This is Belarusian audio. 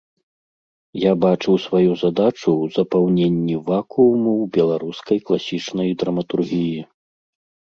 Я бачыў сваю задачу ў запаўненні вакууму ў беларускай класічнай драматургіі.